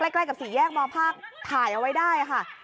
ใกล้กับสี่แยกมภาคถ่ายเอาไว้ได้ค่ะ